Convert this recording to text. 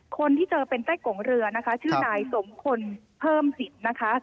คนที่เจอเป็นใต้กงเรือนะคะชื่อนายสมคนเพิ่มสิทธิ์นะคะ